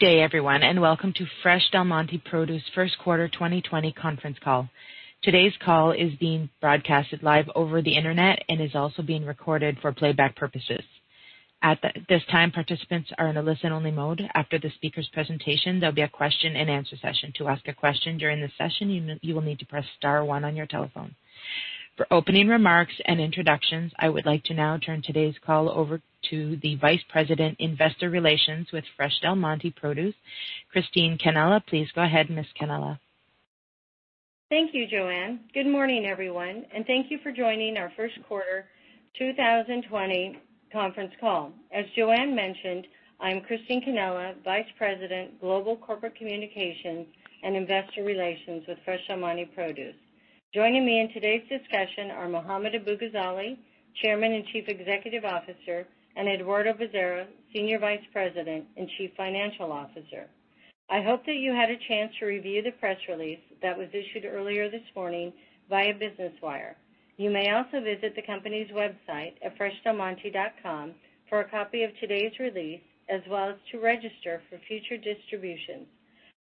Good day everyone. Welcome to Fresh Del Monte Produce first quarter 2020 conference call. Today's call is being broadcast live over the internet and is also being recorded for playback purposes. At this time, participants are in a listen-only mode. After the speaker's presentation, there'll be a question and answer session. To ask a question during the session, you will need to press star one on your telephone. For opening remarks and introductions, I would like to now turn today's call over to the Vice President, Investor Relations with Fresh Del Monte Produce, Christine Cannella. Please go ahead, Ms. Cannella. Thank you, Joanne. Good morning everyone, and thank you for joining our first quarter 2020 conference call. As Joanne mentioned, I'm Christine Cannella, Vice President, Global Corporate Communications and Investor Relations with Fresh Del Monte Produce. Joining me in today's discussion are Mohammad Abu-Ghazaleh, Chairman and Chief Executive Officer, and Eduardo Bezerra, Senior Vice President and Chief Financial Officer. I hope that you had a chance to review the press release that was issued earlier this morning via Business Wire. You may also visit the company's website at freshdelmonte.com for a copy of today's release, as well as to register for future distributions.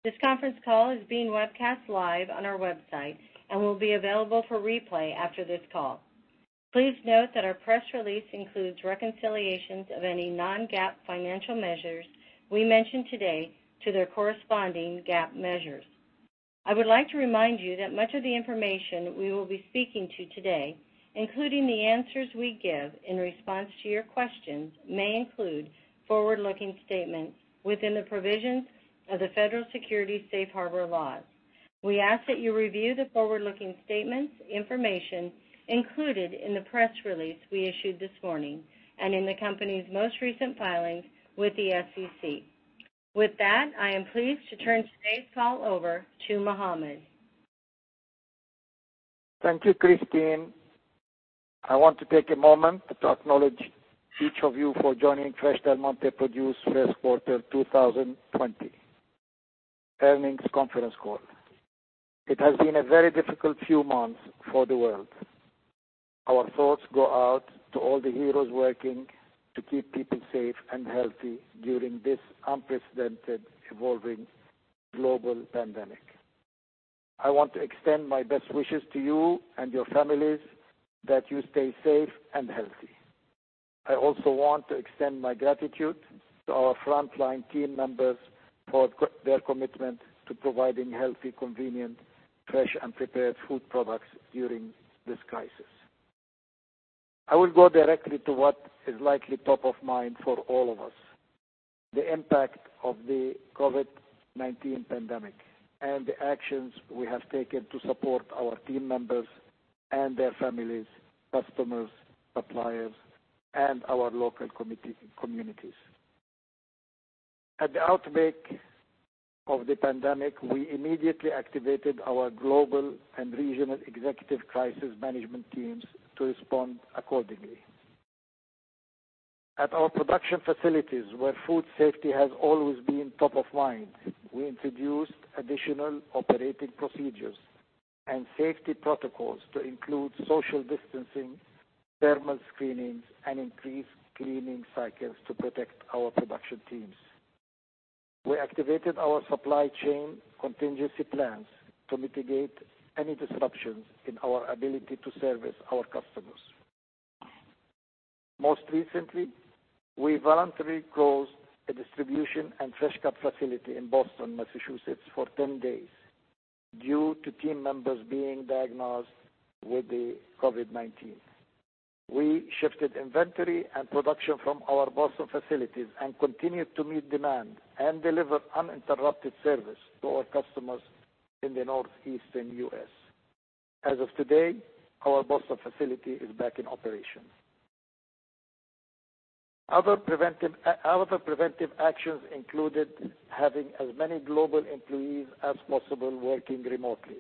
This conference call is being webcast live on our website and will be available for replay after this call. Please note that our press release includes reconciliations of any non-GAAP financial measures we mention today to their corresponding GAAP measures. I would like to remind you that much of the information we will be speaking to today, including the answers we give in response to your questions, may include forward-looking statements within the provisions of the Federal Securities Safe Harbor. We ask that you review the forward-looking statements information included in the press release we issued this morning and in the company's most recent filings with the SEC. With that, I am pleased to turn today's call over to Mohammad. Thank you, Christine. I want to take a moment to acknowledge each of you for joining Fresh Del Monte Produce first quarter 2020 earnings conference call. It has been a very difficult few months for the world. Our thoughts go out to all the heroes working to keep people safe and healthy during this unprecedented, evolving global pandemic. I want to extend my best wishes to you and your families that you stay safe and healthy. I also want to extend my gratitude to our frontline team members for their commitment to providing healthy, convenient, fresh, and prepared food products during this crisis. I will go directly to what is likely top of mind for all of us, the impact of the COVID-19 pandemic and the actions we have taken to support our team members and their families, customers, suppliers, and our local communities. At the outbreak of the pandemic, we immediately activated our global and regional executive crisis management teams to respond accordingly. At our production facilities, where food safety has always been top of mind, we introduced additional operating procedures and safety protocols to include social distancing, thermal screenings, and increased cleaning cycles to protect our production teams. We activated our supply chain contingency plans to mitigate any disruptions in our ability to service our customers. Most recently, we voluntarily closed a distribution and fresh cut facility in Boston, Massachusetts, for 10 days due to team members being diagnosed with the COVID-19. We shifted inventory and production from our Boston facilities and continued to meet demand and deliver uninterrupted service to our customers in the Northeastern U.S. As of today, our Boston facility is back in operation. Other preventive actions included having as many global employees as possible working remotely.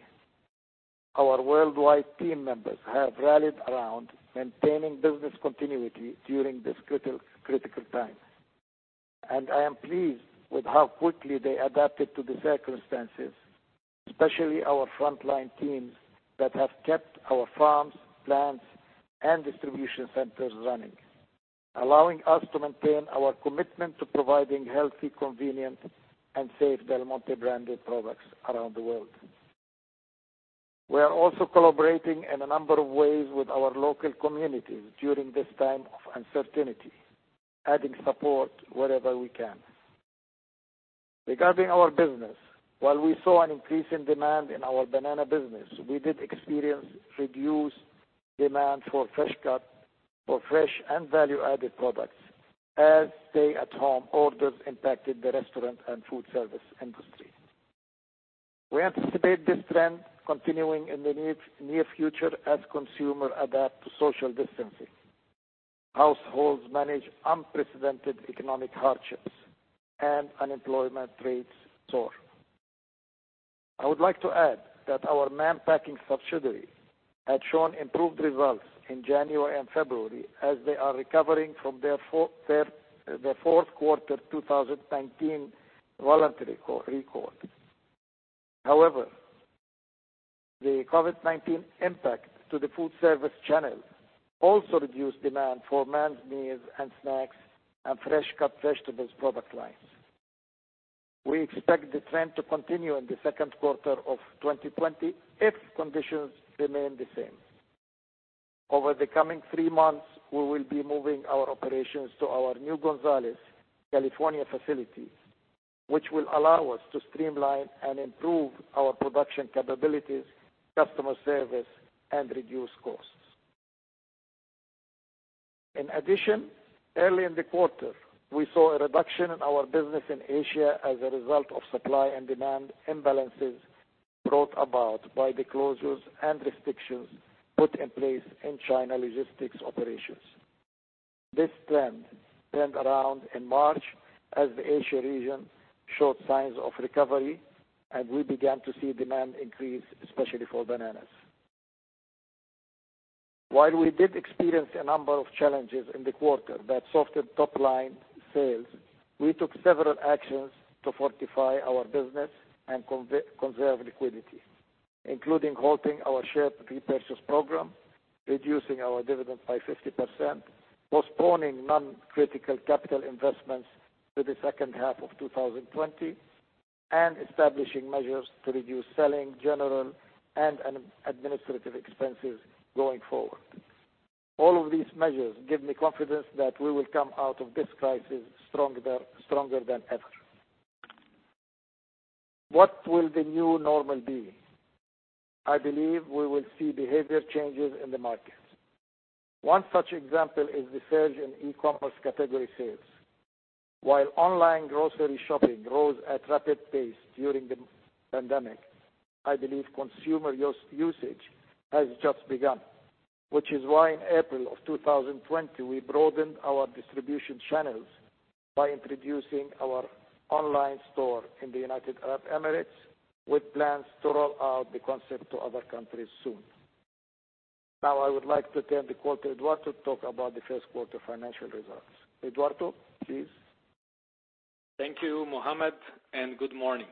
Our worldwide team members have rallied around maintaining business continuity during this critical time. I am pleased with how quickly they adapted to the circumstances, especially our frontline teams that have kept our farms, plants, and distribution centers running, allowing us to maintain our commitment to providing healthy, convenient, and safe Del Monte branded products around the world. We are also collaborating in a number of ways with our local communities during this time of uncertainty, adding support wherever we can. Regarding our business, while we saw an increase in demand in our banana business, we did experience reduced demand for fresh cut, fresh and value-added products as stay-at-home orders impacted the restaurant and food service industry. We anticipate this trend continuing in the near future as consumers adapt to social distancing, households manage unprecedented economic hardships, and unemployment rates soar. I would like to add that our Mann Packing subsidiary had shown improved results in January and February as they are recovering from their fourth quarter 2019 voluntary recall. However, the COVID-19 impact to the food service channel also reduced demand for meals and snacks and fresh-cut vegetables product lines. We expect the trend to continue in the second quarter of 2020 if conditions remain the same. Over the coming three months, we will be moving our operations to our new Gonzaleh, California facility, which will allow us to streamline and improve our production capabilities, customer service, and reduce costs. In addition, early in the quarter, we saw a reduction in our business in Asia as a result of supply and demand imbalances brought about by the closures and restrictions put in place in China logistics operations. This trend turned around in March as the Asia region showed signs of recovery, and we began to see demand increase, especially for bananas. While we did experience a number of challenges in the quarter that softened top-line sales, we took several actions to fortify our business and conserve liquidity, including halting our share repurchase program, reducing our dividend by 50%, postponing non-critical capital investments to the second half of 2020, and establishing measures to reduce selling, general, and administrative expenses going forward. All of these measures give me confidence that we will come out of this crisis stronger than ever. What will the new normal be? I believe we will see behavior changes in the market. One such example is the surge in e-commerce category sales. While online grocery shopping rose at rapid pace during the pandemic, I believe consumer usage has just begun, which is why in April of 2020, we broadened our distribution channels by introducing our online store in the United Arab Emirates, with plans to roll out the concept to other countries soon. Now, I would like to turn the call to Eduardo to talk about the first quarter financial results. Eduardo, please. Thank you, Mohammad. Good morning.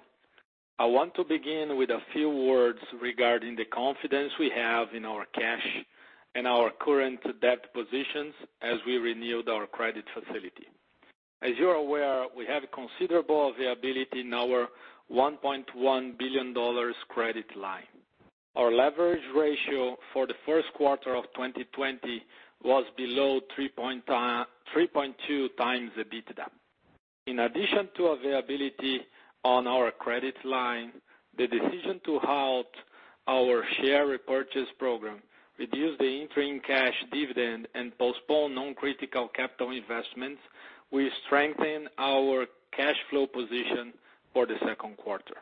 I want to begin with a few words regarding the confidence we have in our cash and our current debt positions as we renewed our credit facility. As you're aware, we have considerable availability in our $1.1 billion credit line. Our leverage ratio for the first quarter of 2020 was below 3.2 times the EBITDA. In addition to availability on our credit line, the decision to halt our share repurchase program, reduce the interim cash dividend, and postpone non-critical capital investments will strengthen our cash flow position for the second quarter.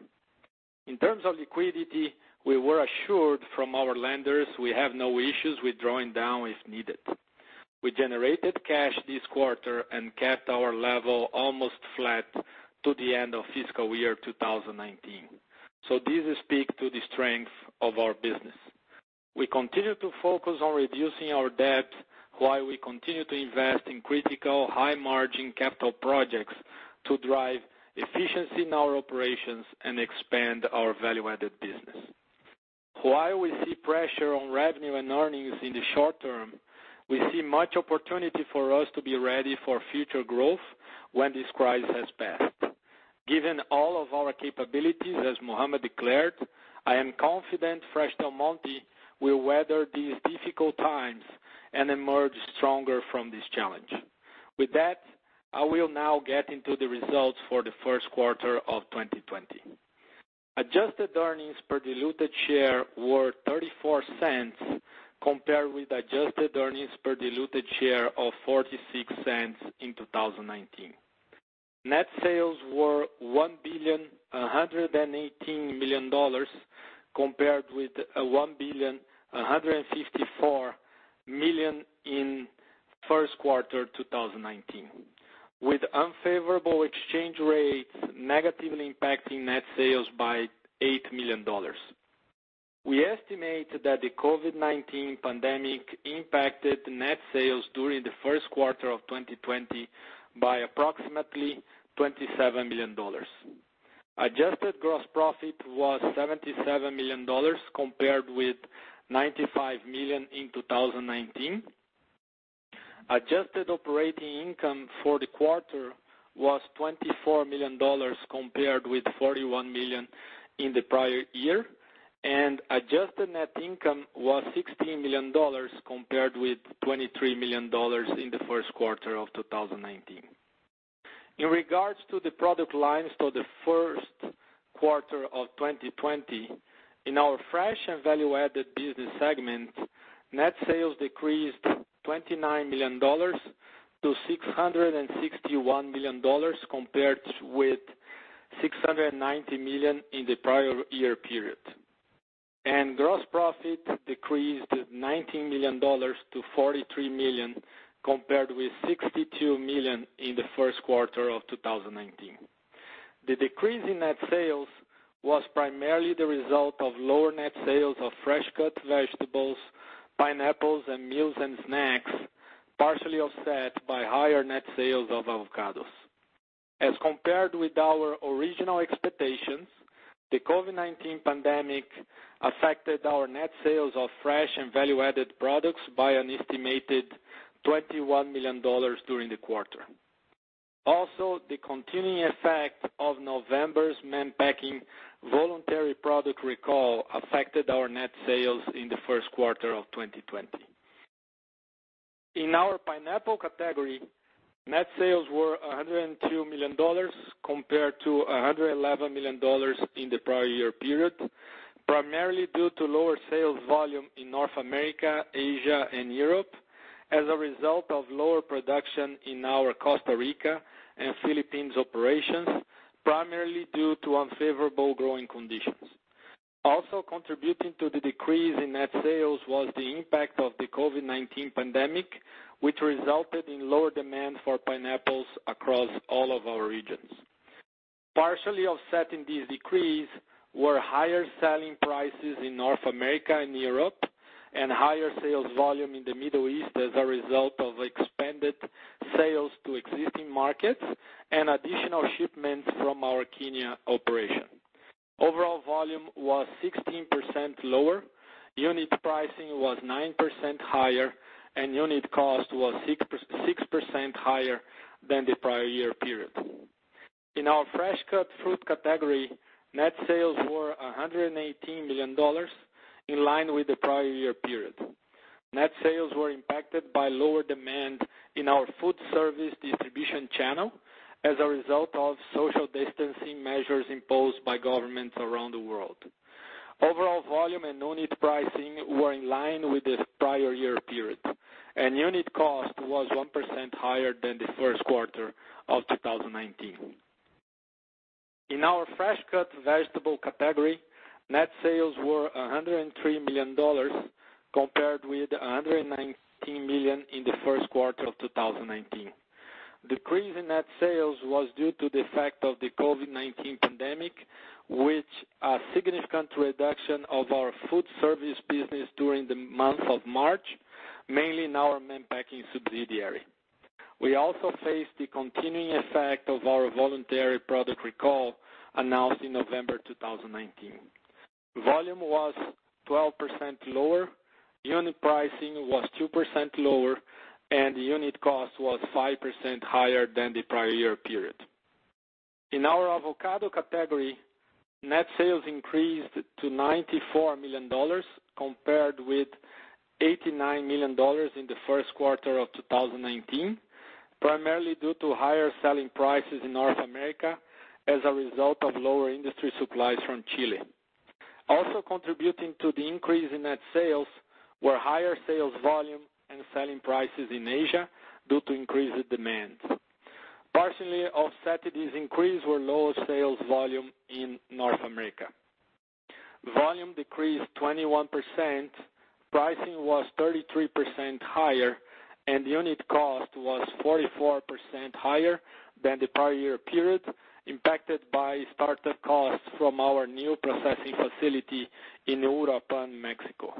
In terms of liquidity, we were assured from our lenders we have no issues with drawing down if needed. We generated cash this quarter and kept our level almost flat to the end of fiscal year 2019. This speaks to the strength of our business. We continue to focus on reducing our debt while we continue to invest in critical, high-margin capital projects to drive efficiency in our operations and expand our value-added business. While we see pressure on revenue and earnings in the short term, we see much opportunity for us to be ready for future growth when this crisis has passed. Given all of our capabilities, as Mohammad declared, I am confident Fresh Del Monte will weather these difficult times and emerge stronger from this challenge. With that, I will now get into the results for the first quarter of 2020. Adjusted earnings per diluted share were $0.34, compared with adjusted earnings per diluted share of $0.46 in 2019. Net sales were $1,118,000,000 compared with $1,154,000,000 in first quarter 2019, with unfavorable exchange rates negatively impacting net sales by $8 million. We estimate that the COVID-19 pandemic impacted net sales during the first quarter of 2020 by approximately $27 million. Adjusted gross profit was $77 million compared with $95 million in 2019. Adjusted operating income for the quarter was $24 million compared with $41 million in the prior year. Adjusted net income was $16 million compared with $23 million in the first quarter of 2019. In regards to the product lines for the first quarter of 2020, in our fresh and value-added business segment, net sales decreased $29 million to $661 million, compared with $690 million in the prior year period. Gross profit decreased $19 million to $43 million, compared with $62 million in the first quarter of 2019. The decrease in net sales was primarily the result of lower net sales of fresh cut vegetables, pineapples, and meals and snacks, partially offset by higher net sales of avocados. As compared with our original expectations, the COVID-19 pandemic affected our net sales of fresh and value-added products by an estimated $21 million during the quarter. Also, the continuing effect of November's Mann Packing voluntary product recall affected our net sales in the first quarter of 2020. In our pineapple category, net sales were $102 million compared to $111 million in the prior year period, primarily due to lower sales volume in North America, Asia, and Europe as a result of lower production in our Costa Rica and Philippines operations, primarily due to unfavorable growing conditions. Also contributing to the decrease in net sales was the impact of the COVID-19 pandemic, which resulted in lower demand for pineapples across all of our regions. Partially offsetting this decrease were higher selling prices in North America and Europe and higher sales volume in the Middle East as a result of expanded sales to existing markets and additional shipments from our Kenya operation. Overall volume was 16% lower, unit pricing was 9% higher, and unit cost was 6% higher than the prior year period. In our fresh-cut fruit category, net sales were $118 million, in line with the prior year period. Net sales were impacted by lower demand in our food service distribution channel as a result of social distancing measures imposed by governments around the world. Overall volume and unit pricing were in line with the prior year period, and unit cost was 1% higher than the first quarter of 2019. In our fresh-cut vegetable category, net sales were $103 million, compared with $119 million in the first quarter of 2019. Decrease in net sales was due to the effect of the COVID-19 pandemic, with a significant reduction of our food service business during the month of March, mainly in our Mann Packing subsidiary. We also faced the continuing effect of our voluntary product recall announced in November 2019. Volume was 12% lower, unit pricing was 2% lower, and unit cost was 5% higher than the prior year period. In our avocado category, net sales increased to $94 million, compared with $89 million in the first quarter of 2019, primarily due to higher selling prices in North America as a result of lower industry supplies from Chile. Also contributing to the increase in net sales were higher sales volume and selling prices in Asia due to increased demand. Partially offsetting this increase were lower sales volume in North America. Volume decreased 21%, pricing was 33% higher, and unit cost was 44% higher than the prior year period, impacted by startup costs from our new processing facility in Uruapan, Mexico.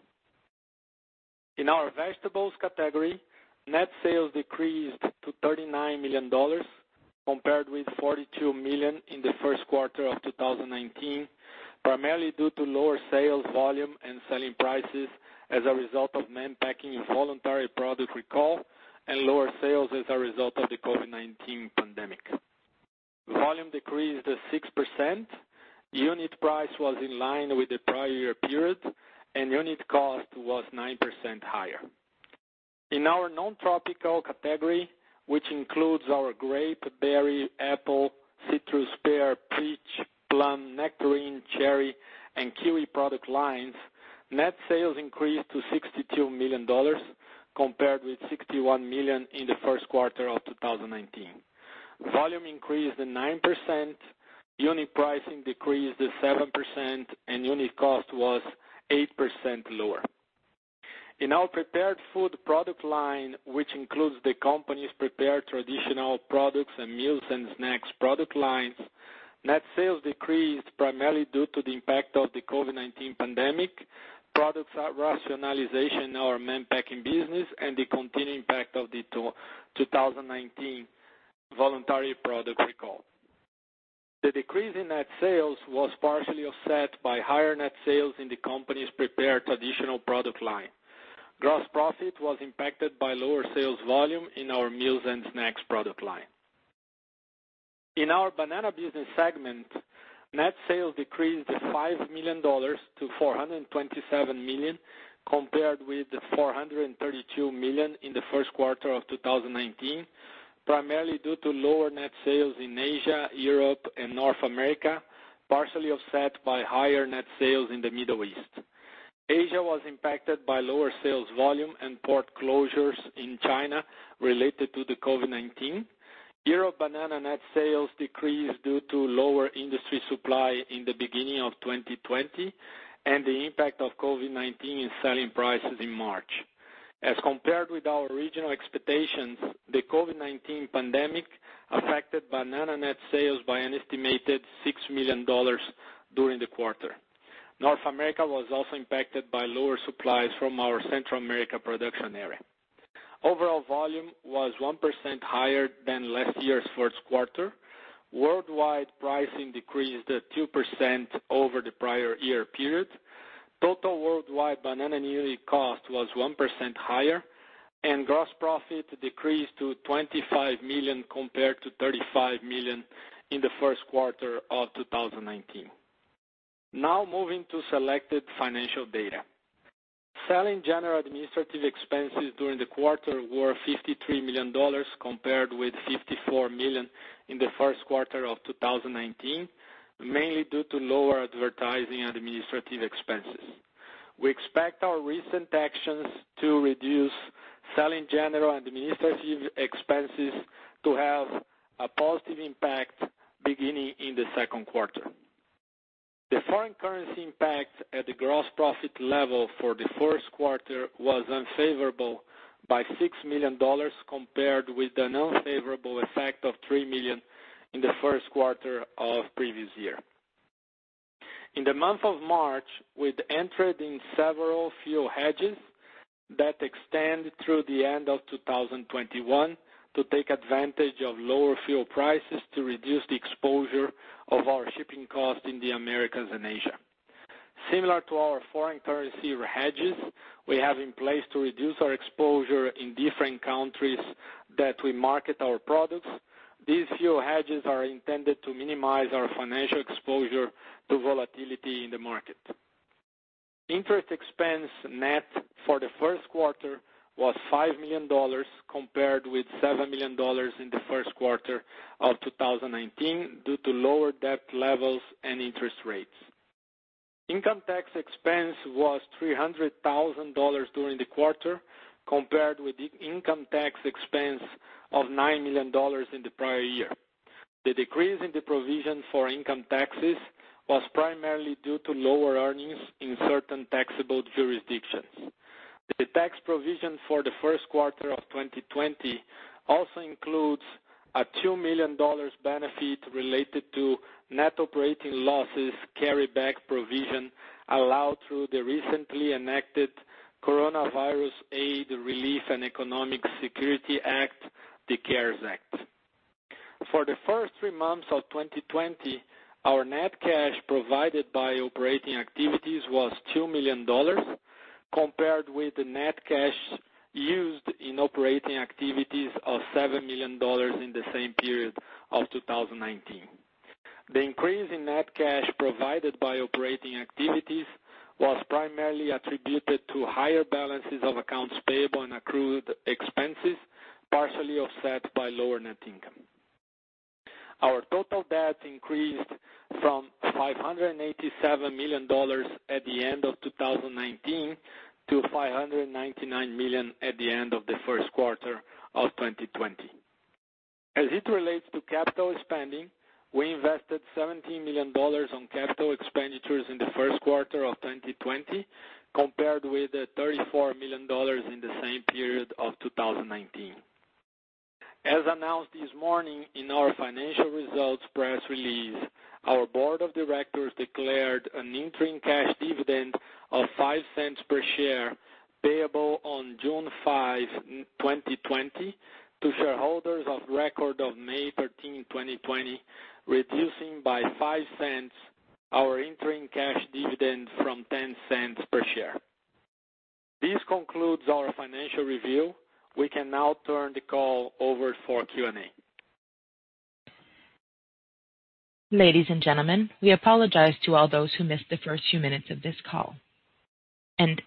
In our vegetables category, net sales decreased to $39 million, compared with $42 million in the first quarter of 2019, primarily due to lower sales volume and selling prices as a result of Mann Packing voluntary product recall and lower sales as a result of the COVID-19 pandemic. Volume decreased 6%, unit price was in line with the prior year period, and unit cost was 9% higher. In our non-tropical category, which includes our grape, berry, apple, citrus, pear, peach, plum, nectarine, cherry, and kiwi product lines, net sales increased to $62 million, compared with $61 million in the first quarter of 2019. Volume increased 9%, unit pricing decreased 7%, and unit cost was 8% lower. In our prepared food product line, which includes the company's prepared traditional products and meals and snacks product lines, net sales decreased primarily due to the impact of the COVID-19 pandemic, products rationalization in our Mann Packing business, and the continued impact of the 2019 voluntary product recall. The decrease in net sales was partially offset by higher net sales in the company's prepared traditional product line. Gross profit was impacted by lower sales volume in our meals and snacks product line. In our banana business segment, net sales decreased $5 million to $427 million, compared with $432 million in the first quarter of 2019, primarily due to lower net sales in Asia, Europe, and North America, partially offset by higher net sales in the Middle East. Asia was impacted by lower sales volume and port closures in China related to the COVID-19. Europe banana net sales decreased due to lower industry supply in the beginning of 2020 and the impact of COVID-19 in selling prices in March. As compared with our regional expectations, the COVID-19 pandemic affected banana net sales by an estimated $6 million during the quarter. North America was also impacted by lower supplies from our Central America production area. Overall volume was 1% higher than last year's first quarter. Worldwide pricing decreased 2% over the prior year period. Total worldwide banana unit cost was 1% higher, and gross profit decreased to $25 million compared to $35 million in the first quarter of 2019. Moving to selected financial data. Selling general administrative expenses during the quarter were $53 million, compared with $54 million in the first quarter of 2019, mainly due to lower advertising and administrative expenses. We expect our recent actions to reduce selling general administrative expenses to have a positive impact beginning in the second quarter. The foreign currency impact at the gross profit level for the first quarter was unfavorable by $6 million, compared with an unfavorable effect of $3 million in the first quarter of previous year. In the month of March, we entered in several fuel hedges that extend through the end of 2021 to take advantage of lower fuel prices to reduce the exposure of our shipping costs in the Americas and Asia. Similar to our foreign currency hedges, we have in place to reduce our exposure in different countries that we market our products. These fuel hedges are intended to minimize our financial exposure to volatility in the market. Interest expense net for the first quarter was $5 million, compared with $7 million in the first quarter of 2019, due to lower debt levels and interest rates. Income tax expense was $300,000 during the quarter, compared with income tax expense of $9 million in the prior year. The decrease in the provision for income taxes was primarily due to lower earnings in certain taxable jurisdictions. The tax provision for the first quarter of 2020 also includes a $2 million benefit related to net operating losses carryback provision allowed through the recently enacted Coronavirus Aid, Relief, and Economic Security Act, the CARES Act. For the first three months of 2020, our net cash provided by operating activities was $2 million, compared with the net cash used in operating activities of $7 million in the same period of 2019. The increase in net cash provided by operating activities was primarily attributed to higher balances of accounts payable and accrued expenses, partially offset by lower net income. Our total debt increased from $587 million at the end of 2019 to $599 million at the end of the first quarter of 2020. As it relates to capital spending, we invested $17 million on capital expenditures in the first quarter of 2020, compared with $34 million in the same period of 2019. As announced this morning in our financial results press release, our board of directors declared an interim cash dividend of $0.05 per share payable on June 5, 2020, to shareholders of record of May 13, 2020, reducing by $0.05 our interim cash dividend from $0.10 per share. This concludes our financial review. We can now turn the call over for Q&A. Ladies and gentlemen, we apologize to all those who missed the first few minutes of this call.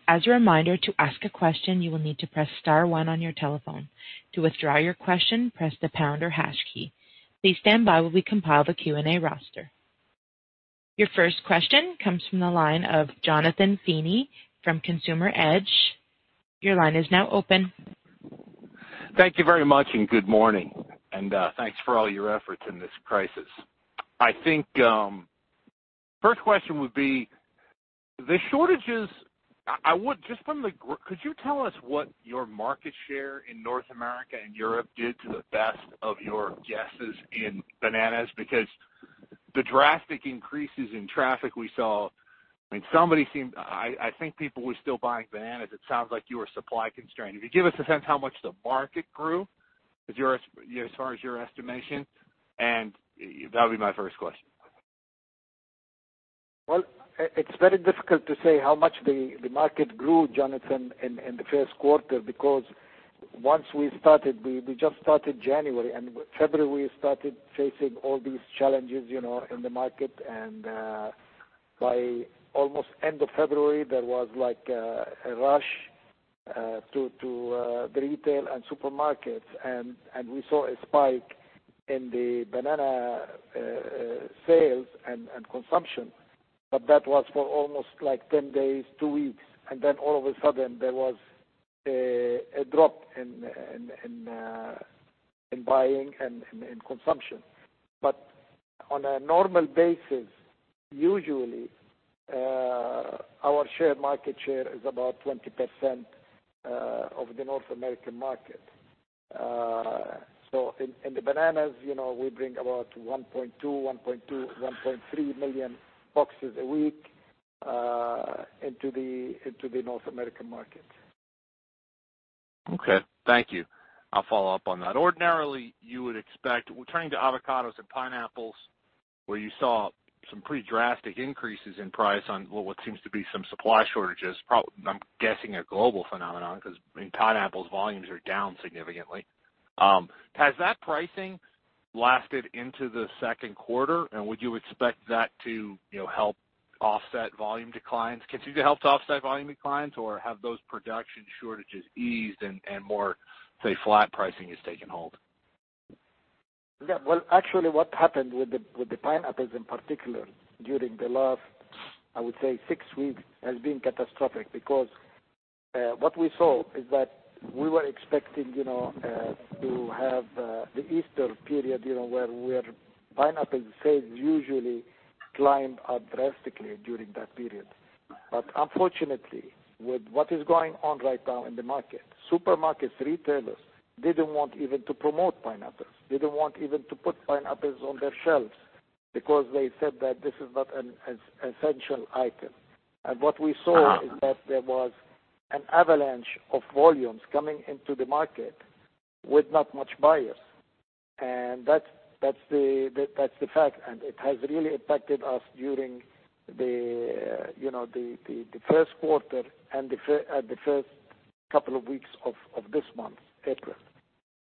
As a reminder, to ask a question, you will need to press star one on your telephone. To withdraw your question, press the pound or hash key. Please stand by while we compile the Q&A roster. Your first question comes from the line of Jonathan Feeney from Consumer Edge. Your line is now open. Thank you very much. Good morning. Thanks for all your efforts in this crisis. I think first question would be the shortages. Could you tell us what your market share in North America and Europe did to the best of your guesses in bananas? The drastic increases in traffic we saw, I think people were still buying bananas. It sounds like you were supply constrained. Could you give us a sense how much the market grew as far as your estimation? That would be my first question. Well, it's very difficult to say how much the market grew, Jonathan, in the first quarter, because once we started, we just started January, and February we started facing all these challenges in the market. By almost end of February, there was a rush to the retail and supermarkets, and we saw a spike in the banana sales and consumption. That was for almost 10 days, two weeks, and then all of a sudden, there was a drop in buying and in consumption. On a normal basis, usually our market share is about 20% of the North American market. In the bananas, we bring about 1.2 million-1.3 million boxes a week into the North American market. Okay. Thank you. I'll follow up on that. Turning to avocados and pineapples, where you saw some pretty drastic increases in price on what seems to be some supply shortages, I'm guessing a global phenomenon, because pineapples volumes are down significantly. Has that pricing lasted into the second quarter? Would you expect that to help offset volume declines? Can it help to offset volume declines, or have those production shortages eased and more, say, flat pricing has taken hold? Yeah. Well, actually, what happened with the pineapples in particular during the last, I would say, six weeks, has been catastrophic, because what we saw is that we were expecting to have the Easter period, where pineapple sales usually climb up drastically during that period. Unfortunately, with what is going on right now in the market, supermarkets, retailers, they don't want even to promote pineapples. They don't want even to put pineapples on their shelves, because they said that this is not an essential item. What we saw is that there was an avalanche of volumes coming into the market with not much buyers. That's the fact, and it has really impacted us during the first quarter and the first couple of weeks of this month, April.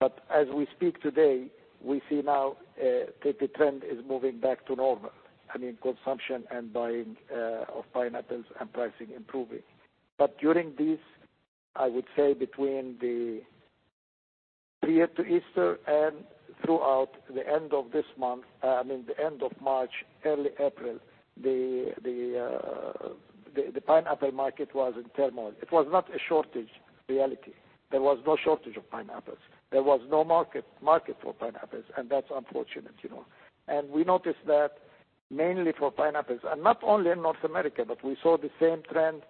As we speak today, we see now that the trend is moving back to normal. I mean, consumption and buying of pineapples and pricing improving. During this, I would say between the period to Easter and throughout the end of March, early April, the pineapple market was in turmoil. It was not a shortage reality. There was no shortage of pineapples. There was no market for pineapples, and that's unfortunate. We noticed that mainly for pineapples, not only in North America, but we saw the same trend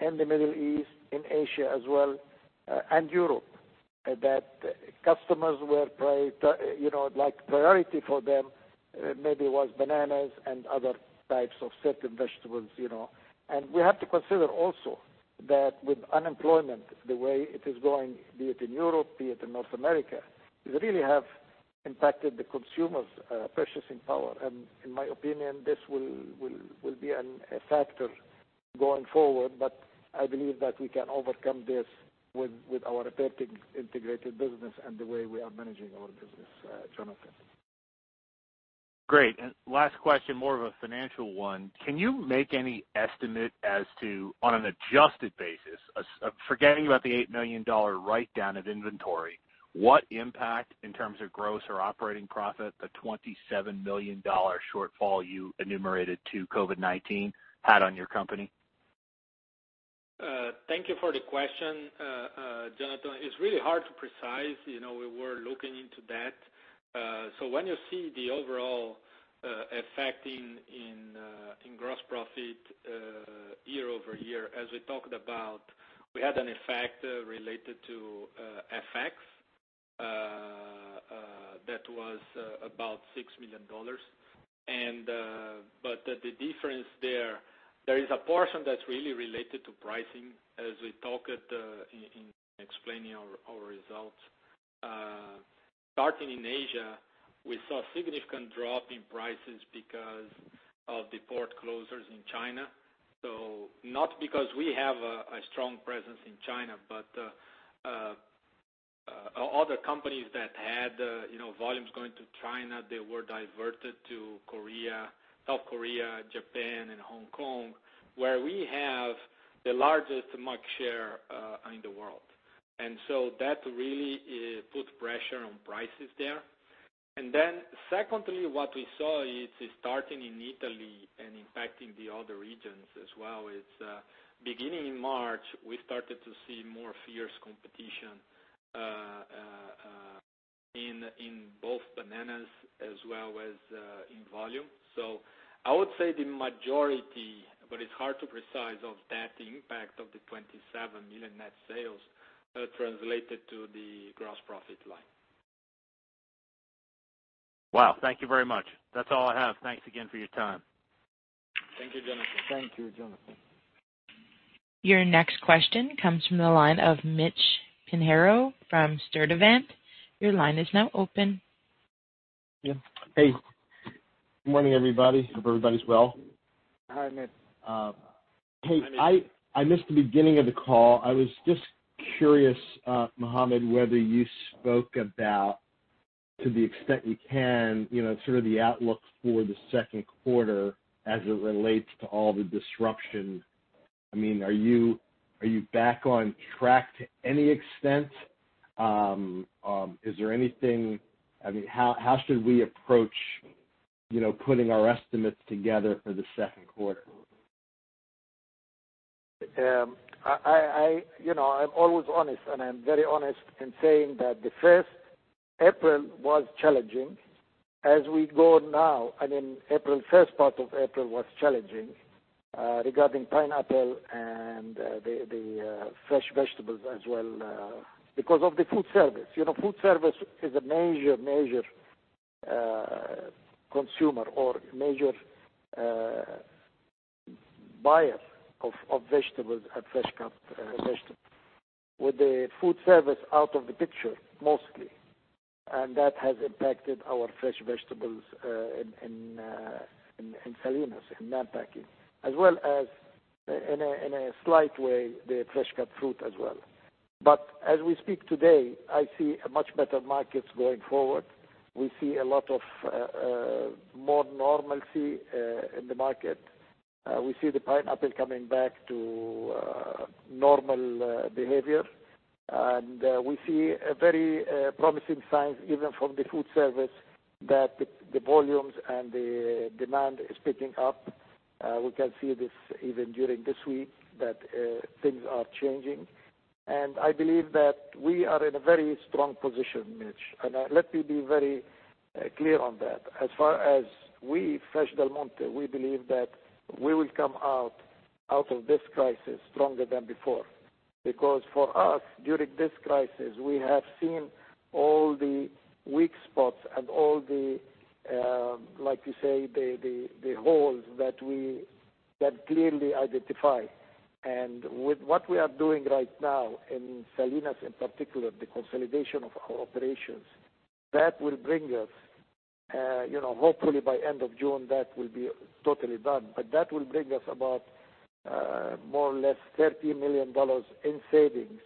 in the Middle East, in Asia as well, and Europe, that customers were priority for them, maybe was bananas and other types of certain vegetables. We have to consider also that with unemployment, the way it is going, be it in Europe, be it in North America, it really have impacted the consumers' purchasing power. In my opinion, this will be a factor going forward. I believe that we can overcome this with our integrated business and the way we are managing our business, Jonathan. Great. Last question, more of a financial one. Can you make any estimate as to, on an adjusted basis, forgetting about the $8 million write-down of inventory, what impact in terms of gross or operating profit, the $27 million shortfall you enumerated to COVID-19 had on your company? Thank you for the question, Jonathan. It's really hard to precise. We were looking into that. When you see the overall effect in gross profit year-over-year, as we talked about, we had an effect related to FX that was about $6 million. The difference there is a portion that's really related to pricing, as we talked in explaining our results. Starting in Asia, we saw a significant drop in prices because of the port closures in China. Not because we have a strong presence in China, but other companies that had volumes going to China, they were diverted to South Korea, Japan, and Hong Kong, where we have the largest market share in the world. That really put pressure on prices there. Secondly, what we saw is, starting in Italy and impacting the other regions as well, is beginning in March, we started to see more fierce competition in both bananas as well as in volume. I would say the majority, but it's hard to precise, of that impact of the $27 million net sales translated to the gross profit line. Wow. Thank you very much. That's all I have. Thanks again for your time. Thank you, Jonathan. Thank you, Jonathan. Your next question comes from the line of Mitch Pinheiro from Sturdivant & Co. Your line is now open. Yeah. Hey, good morning, everybody. Hope everybody's well. Hi, Mitch. Hi, Mitch. Hey, I missed the beginning of the call. I was just curious, Mohammad, whether you spoke about, to the extent you can, sort of the outlook for the second quarter as it relates to all the disruption. Are you back on track to any extent? How should we approach putting our estimates together for the second quarter? I'm always honest, and I'm very honest in saying that the first April was challenging. As we go now, I mean, first part of April was challenging regarding pineapple and the fresh vegetables as well because of the food service. Food service is a major consumer or major buyer of vegetables and fresh-cut vegetables. With the food service out of the picture, mostly, and that has impacted our fresh vegetables in Salinas, in Mann Packing, as well as in a slight way, the fresh-cut fruit as well. As we speak today, I see a much better markets going forward. We see a lot of more normalcy in the market. We see the pineapple coming back to normal behavior. We see a very promising sign, even from the food service, that the volumes and the demand is picking up. We can see this even during this week, that things are changing. I believe that we are in a very strong position, Mitch, and let me be very clear on that. As far as we, Fresh Del Monte, we believe that we will come out of this crisis stronger than before. Because for us, during this crisis, we have seen all the weak spots and all the, like you say, the holes that clearly identify. With what we are doing right now in Salinas in particular, the consolidation of our operations, that will bring us, hopefully by end of June, that will be totally done, but that will bring us about more or less $30 million in savings,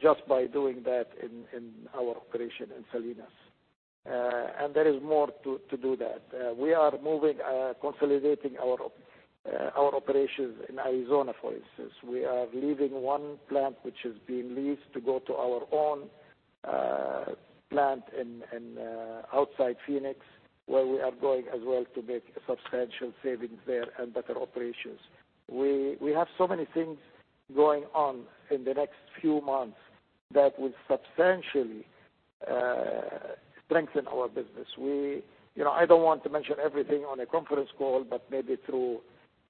just by doing that in our operation in Salinas. There is more to do that. We are moving, consolidating our operations in Arizona, for instance. We are leaving one plant which is being leased to go to our own plant outside Phoenix, where we are going as well to make substantial savings there and better operations. We have so many things going on in the next few months that will substantially strengthen our business. I don't want to mention everything on a conference call, but maybe through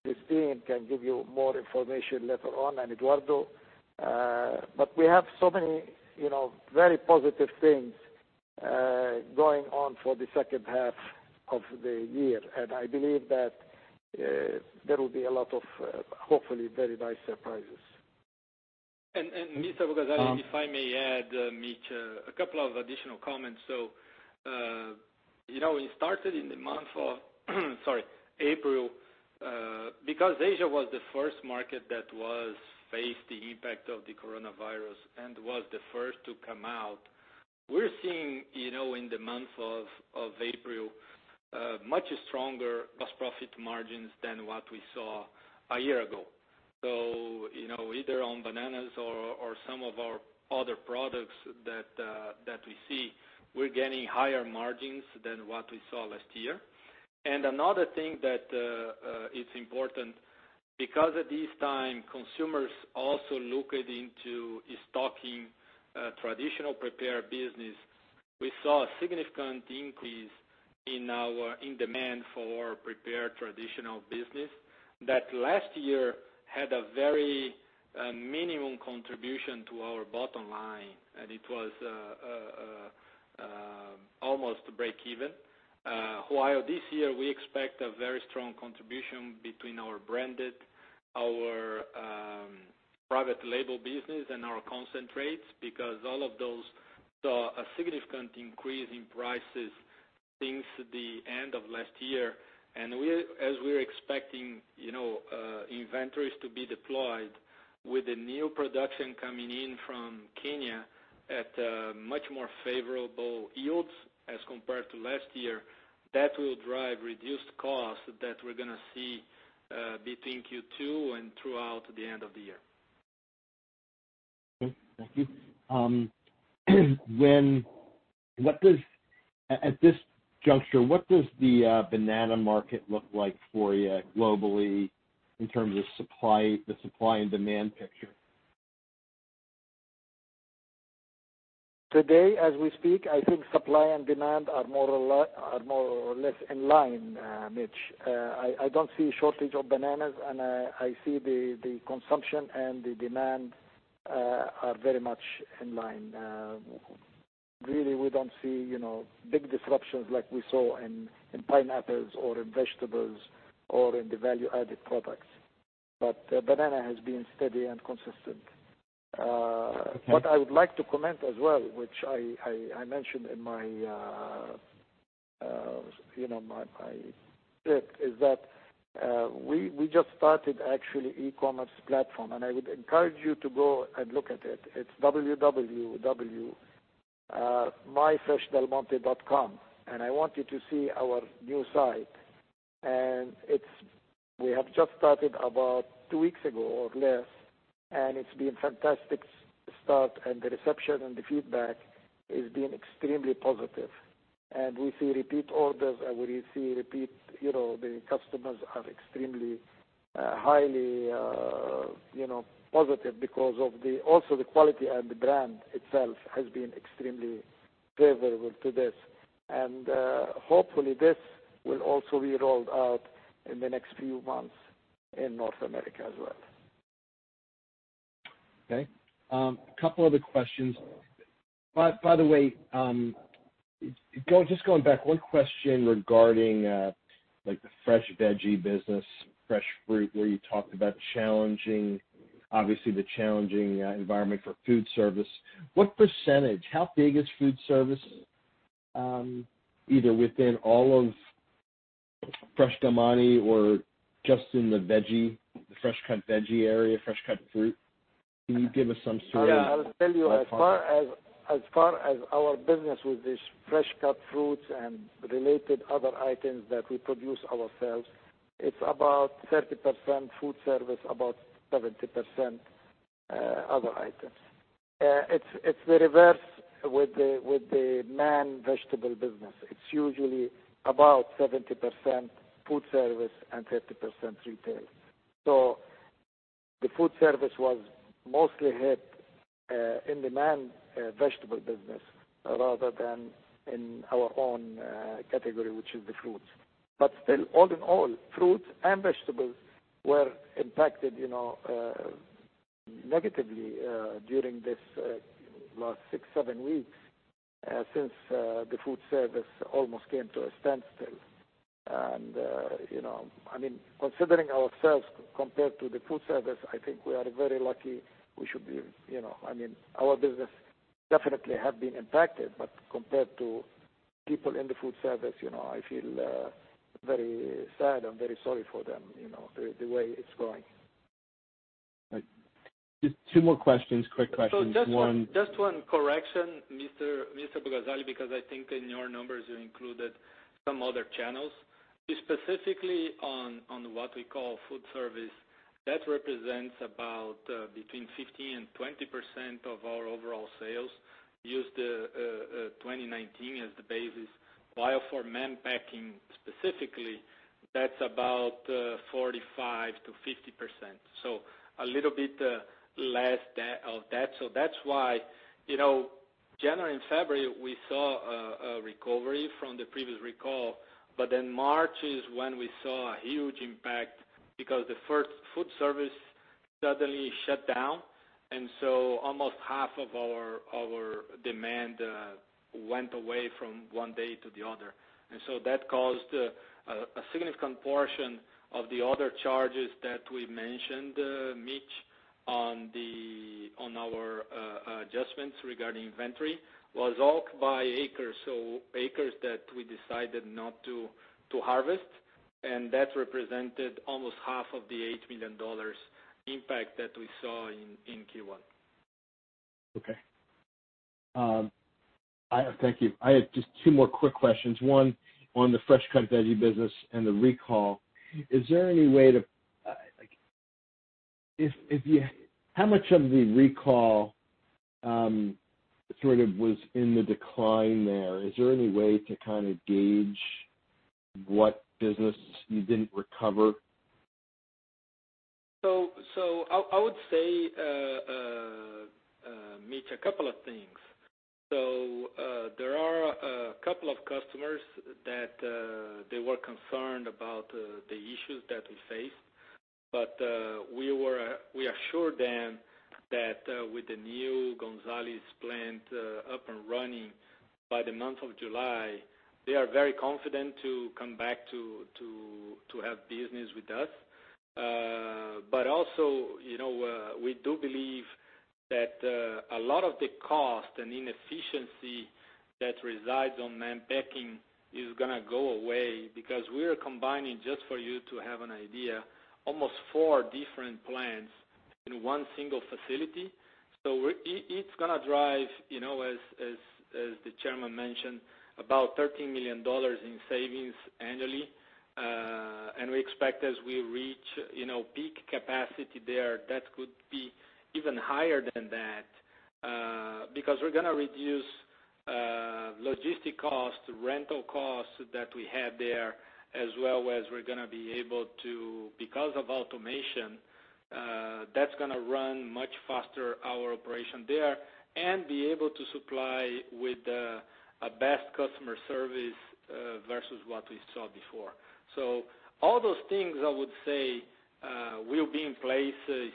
this team can give you more information later on, and Eduardo. We have so many very positive things going on for the second half of the year. I believe that there will be a lot of hopefully very nice surprises. Mr. Mohammad Abu-Ghazaleh, if I may add, Mitch, a couple of additional comments. It started in the month of April. Asia was the first market that faced the impact of the coronavirus and was the first to come out, we're seeing, in the month of April, much stronger gross profit margins than what we saw a year ago. Either on bananas or some of our other products that we see, we're getting higher margins than what we saw last year. Another thing that is important, because at this time, consumers also looked into stocking traditional prepared business. We saw a significant increase in demand for prepared traditional business that last year had a very minimum contribution to our bottom line, and it was almost breakeven. While this year, we expect a very strong contribution between our branded, our private label business, and our concentrates because all of those saw a significant increase in prices since the end of last year. As we are expecting inventories to be deployed with the new production coming in from Kenya at much more favorable yields as compared to last year, that will drive reduced costs that we're going to see between Q2 and throughout the end of the year. Okay. Thank you. At this juncture, what does the banana market look like for you globally in terms of the supply and demand picture? Today, as we speak, I think supply and demand are more or less in line, Mitch. I don't see a shortage of bananas, and I see the consumption and the demand are very much in line. Really, we don't see big disruptions like we saw in pineapples or in vegetables or in the value-added products. Banana has been steady and consistent. Okay. What I would like to comment as well, which I mentioned in my pick, is that we just started actually e-commerce platform. I would encourage you to go and look at it. It's www.myfreshdelmonte.com. I want you to see our new site. We have just started about two weeks ago or less. It's been fantastic start. The reception and the feedback is being extremely positive. We see repeat orders. We see the customers are extremely positive because also the quality and the brand itself has been extremely favorable to this. Hopefully this will also be rolled out in the next few months in North America as well. Okay. Couple other questions. By the way, just going back, one question regarding the fresh veggie business, fresh fruit, where you talked about obviously the challenging environment for food service. What percentage, how big is food service, either within all of Fresh Del Monte or just in the fresh cut veggie area, fresh cut fruit? Can you give us some story? Yeah. I'll tell you, as far as our business with these fresh cut fruits and related other items that we produce ourselves, it's about 30% food service, about 70% other items. It's the reverse with the Mann vegetable business. It's usually about 70% food service and 30% retail. The food service was mostly hit in the Mann vegetable business rather than in our own category, which is the fruits. Still all in all, fruits and vegetables were impacted negatively during this last six, seven weeks since the food service almost came to a standstill. Considering ourselves compared to the food service, I think we are very lucky. Our business definitely have been impacted, but compared to people in the food service, I feel very sad and very sorry for them, the way it's going. Right. Just two more questions, quick questions. One- Just one correction, Mr. Gonzales, because I think in your numbers you included some other channels. Just specifically on what we call food service, that represents about between 15%-20% of our overall sales, used 2019 as the basis, while for Mann Packing specifically, that's about 45%-50%. A little bit less of that. That's why January and February, we saw a recovery from the previous recall, March is when we saw a huge impact because the first food service suddenly shut down. Almost half of our demand went away from one day to the other. That caused a significant portion of the other charges that we mentioned, Mitch, on our adjustments regarding inventory was all by acres. acres that we decided not to harvest, and that represented almost half of the $8 million impact that we saw in Q1. Okay. Thank you. I have just two more quick questions. One on the fresh cut veggie business and the recall. How much of the recall sort of was in the decline there? Is there any way to gauge what business you didn't recover? I would say, Mitch, a couple of things. There are a couple of customers that they were concerned about the issues that we faced. We assured them that with the new Gonzales plant up and running by the month of July, they are very confident to come back to have business with us. Also, we do believe that a lot of the cost and inefficiency that resides on Mann Packing is going to go away because we are combining, just for you to have an idea, almost four different plants in one single facility. It's going to drive, as the Chairman mentioned, about $13 million in savings annually. We expect as we reach peak capacity there, that could be even higher than that, because we're going to reduce logistic costs, rental costs that we had there, as well as we're going to be able to, because of automation, that's going to run much faster our operation there, and be able to supply with a best customer service versus what we saw before. All those things I would say will be in place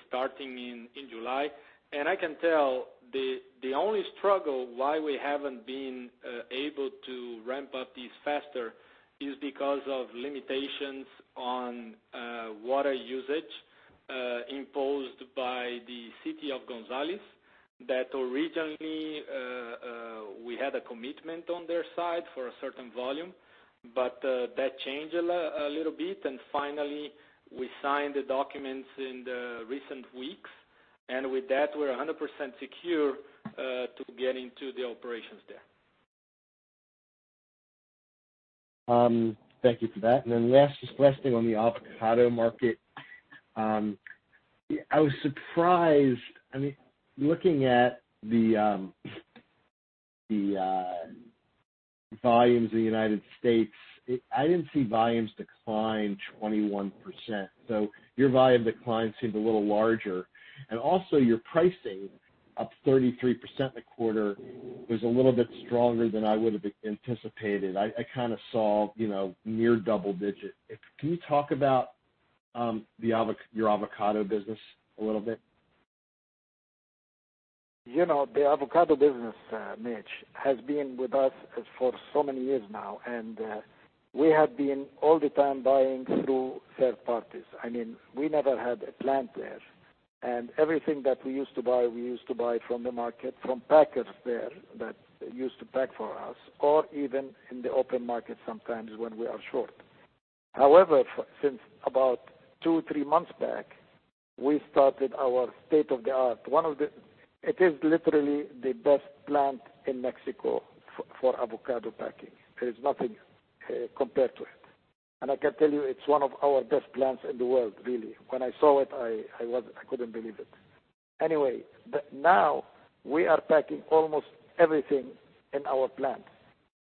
starting in July. I can tell the only struggle why we haven't been able to ramp up this faster is because of limitations on water usage imposed by the city of Gonzales that originally we had a commitment on their side for a certain volume, but that changed a little bit, and finally we signed the documents in the recent weeks. With that, we're 100% secure to get into the operations there. Thank you for that. Last thing on the avocado market. I was surprised, looking at volumes in the U.S. I didn't see volumes decline 21%. Your volume decline seemed a little larger. Your pricing, up 33% in the quarter, was a little bit stronger than I would have anticipated. I saw near double digit. Can you talk about your avocado business a little bit? The avocado business, Mitch, has been with us for so many years now. We have been, all the time, buying through third parties. We never had a plant there. Everything that we used to buy, we used to buy from the market, from packers there that used to pack for us, or even in the open market sometimes when we are short. However, since about two, three months back, we started our state-of-the-art. It is literally the best plant in Mexico for avocado packing. There is nothing compared to it. I can tell you, it's one of our best plants in the world, really. When I saw it, I couldn't believe it. Anyway. Now we are packing almost everything in our plant.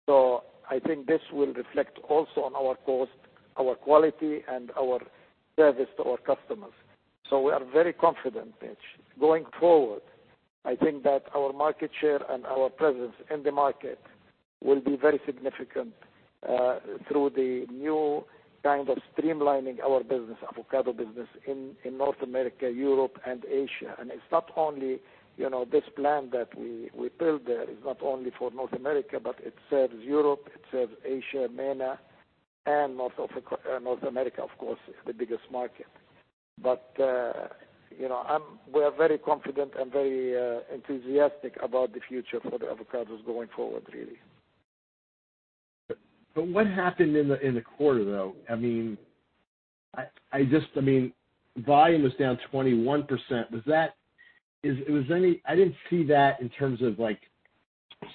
I think this will reflect also on our cost, our quality, and our service to our customers. We are very confident, Mitch. Going forward, I think that our market share and our presence in the market will be very significant, through the new kind of streamlining our business, avocado business, in North America, Europe, and Asia. It's not only this plant that we built there, it's not only for North America, but it serves Europe, it serves Asia, MENA, and North America, of course, the biggest market. We're very confident and very enthusiastic about the future for the avocados going forward, really. What happened in the quarter, though? Volume was down 21%. I didn't see that in terms of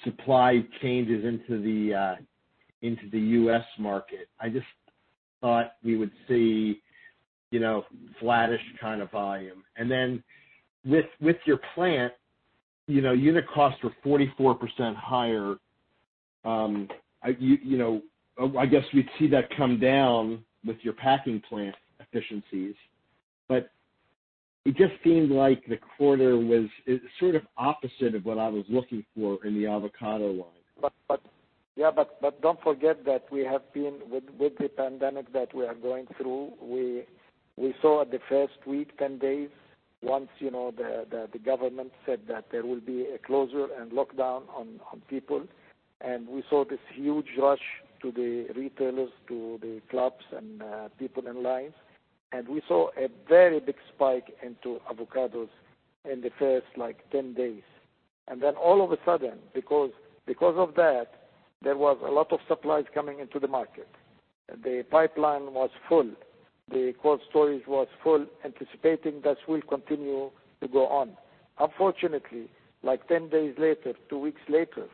supply changes into the U.S. market. I just thought we would see flattish kind of volume. With your plant, unit costs were 44% higher. I guess we'd see that come down with your packing plant efficiencies. It just seemed like the quarter was sort of opposite of what I was looking for in the avocado line. Don't forget that we have been, with the pandemic that we are going through, we saw at the first week, 10 days, once the government said that there will be a closure and lockdown on people, and we saw this huge rush to the retailers, to the clubs, and people in lines, and we saw a very big spike into avocados in the first 10 days. All of a sudden, because of that, there was a lot of supplies coming into the market. The pipeline was full. The cold storage was full, anticipating this will continue to go on. Unfortunately, like 10 days later, two weeks later,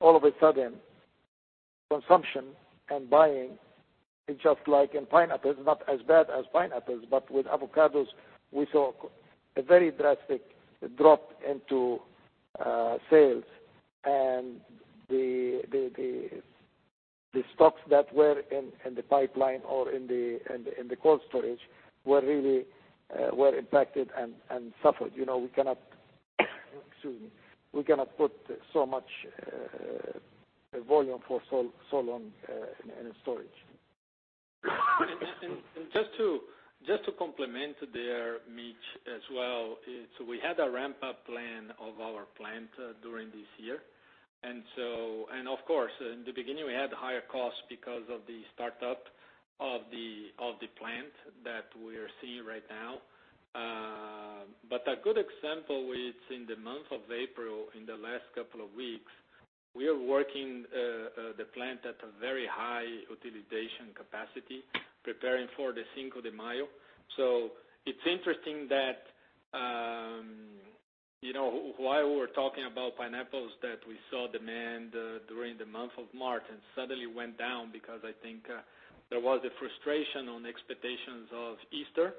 all of a sudden, consumption and buying, just like in pineapples, not as bad as pineapples, but with avocados, we saw a very drastic drop into sales. The stocks that were in the pipeline or in the cold storage were really impacted and suffered. We cannot, excuse me, we cannot put so much volume for so long in storage. Just to complement there, Mitch, as well. We had a ramp-up plan of our plant during this year. Of course, in the beginning, we had higher costs because of the startup of the plant that we are seeing right now. A good example is in the month of April, in the last couple of weeks, we are working the plant at a very high utilization capacity, preparing for the Cinco de Mayo. It's interesting that, while we're talking about pineapples, that we saw demand during the month of March, and suddenly went down because I think there was a frustration on expectations of Easter.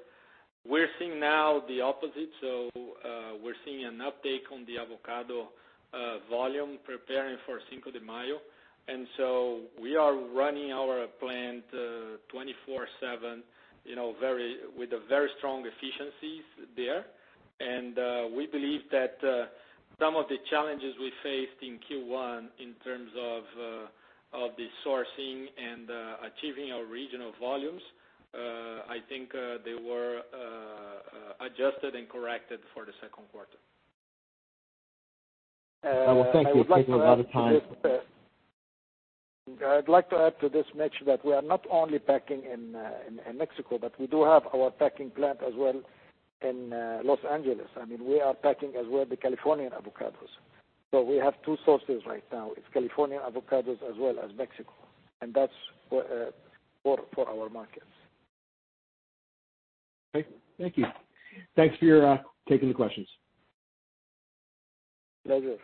We're seeing now the opposite. We're seeing an uptake on the avocado volume preparing for Cinco de Mayo. We are running our plant 24/7, with very strong efficiencies there. We believe that some of the challenges we faced in Q1 in terms of the sourcing and achieving our regional volumes, I think they were adjusted and corrected for the second quarter. Well, thank you. You're taking a lot of time. I'd like to add to this, Mitch, that we are not only packing in Mexico, but we do have our packing plant as well in Los Angeles. We are packing as well the Californian avocados. So we have two sources right now. It's Californian avocados as well as Mexico. That's for our markets. Great. Thank you. Thanks for taking the questions. Pleasure.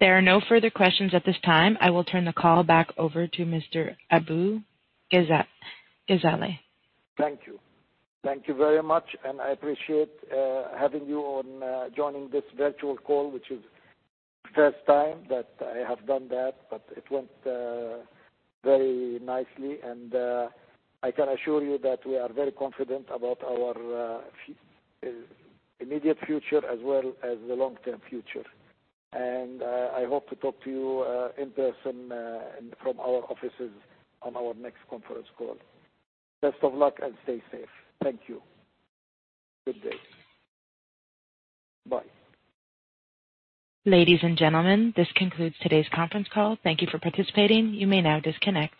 There are no further questions at this time. I will turn the call back over to Mr. Abu-Ghazaleh. Thank you. Thank you very much. I appreciate having you on joining this virtual call, which is first time that I have done that. It went very nicely. I can assure you that we are very confident about our immediate future as well as the long-term future. I hope to talk to you in person and from our offices on our next conference call. Best of luck, and stay safe. Thank you. Good day. Bye. Ladies and gentlemen, this concludes today's conference call. Thank you for participating. You may now disconnect.